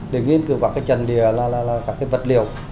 để nghiên cứu các cái trần đìa các cái vật liệu